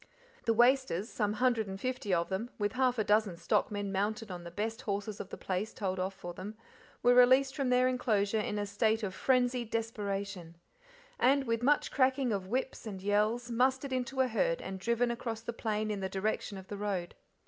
The "wasters," some hundred and fifty of them, with half a dozen stockmen mounted on the best horses of the place told off for them, were released from their enclosure in a state of frenzied desperation, and, with much cracking of whips and yells, mustered into a herd and driven across the plain in the direction of the road.